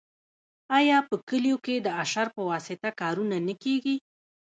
آیا په کلیو کې د اشر په واسطه کارونه نه کیږي؟